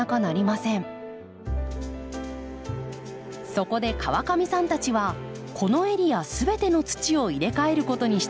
そこで川上さんたちはこのエリアすべての土を入れ替えることにしたのです。